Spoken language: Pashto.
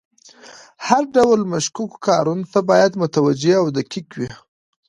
هر ډول مشکوکو کارونو ته باید متوجه او دقیق وي.